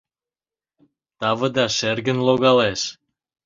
Тавыда шергын логалеш.